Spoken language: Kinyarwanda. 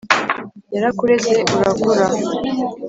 yarakureze urakura